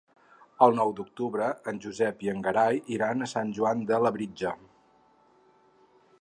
El nou d'octubre en Josep i en Gerai iran a Sant Joan de Labritja.